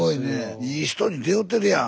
いい人に出会うてるやん。